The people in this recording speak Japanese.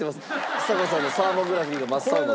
ちさ子さんのサーモグラフィーが真っ青になってます。